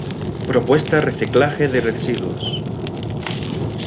Propuesta reciclaje de residuos.